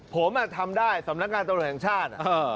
ผมทำได้สำนักงานตำรวจแห่งชาติ